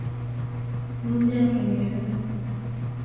Lugha ya kingereza.